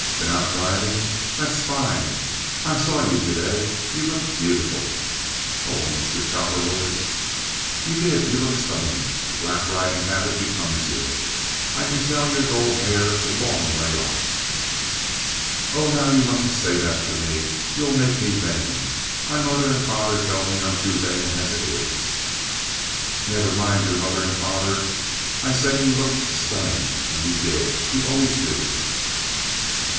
Been out driving? That's fine. I saw you to day. You looked beautiful." "Oh, Mr. Cowperwood!" "You did. You looked stunning. A black riding habit becomes you. I can tell your gold hair a long way off." "Oh, now, you mustn't say that to me. You'll make me vain. My mother and father tell me I'm too vain as it is." "Never mind your mother and father. I say you looked stunning, and you did. You always do."